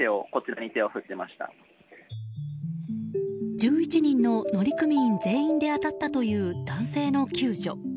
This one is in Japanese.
１１人の乗組員全員で当たったという男性の救助。